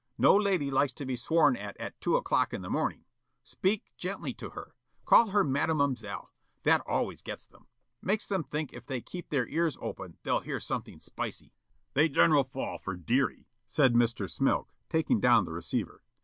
No lady likes to be sworn at at two o'clock in the morning. Speak gently to her. Call her Madamoiselle. That always gets them. Makes 'em think if they keep their ears open they'll hear something spicy." "They general fall for dearie," said Mr. Smilk, taking down the receiver.